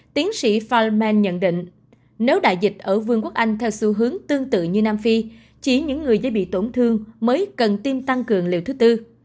tiến sĩ fil man nhận định nếu đại dịch ở vương quốc anh theo xu hướng tương tự như nam phi chỉ những người dễ bị tổn thương mới cần tiêm tăng cường liều thứ tư